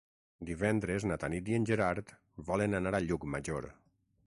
Divendres na Tanit i en Gerard volen anar a Llucmajor.